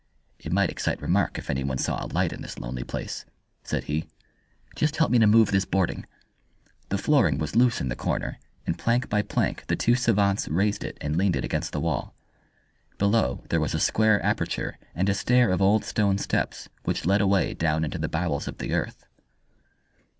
"It might excite remark if anyone saw a light in this lonely place," said he. "Just help me to move this boarding." The flooring was loose in the corner, and plank by plank the two savants raised it and leaned it against the wall. Below there was a square aperture and a stair of old stone steps which led away down into the bowels of the earth.